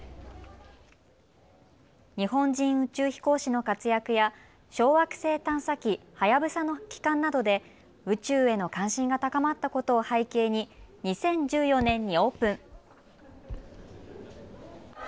日本人宇宙飛行士の活躍や小惑星探査機、はやぶさの帰還などで宇宙への関心が高まったことを背景に２０１４年にオープン。